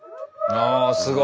ああすごい。